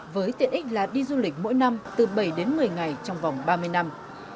với tiện ích là đi du lịch mỗi năm từ bảy đến một mươi ngày trong vòng ba mươi năm